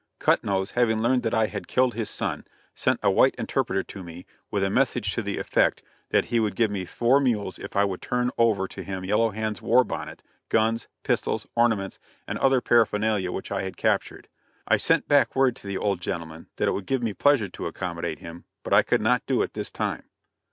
Cut nose, having learned that I had killed his son sent a white interpreter to me with a message to the effect that he would give me four mules if I would turn over to him Yellow Hand's war bonnet, guns, pistols, ornaments, and other paraphernalia which I had captured. I sent back word to the old gentleman that it would give me pleasure to accommodate him, but I could not do it this time.